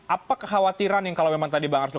apa kekhawatiran yang kalau memang tadi bang arsul